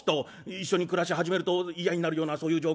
一緒に暮らし始めると嫌になるようなそういう条件が」。